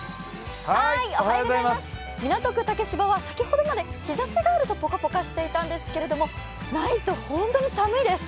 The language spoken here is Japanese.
港区竹芝は先ほどまで日ざしがあるところはぽかぽかしていたんですけどないと寒いです。